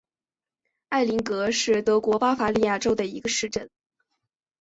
埃林格是德国巴伐利亚州的一个市镇。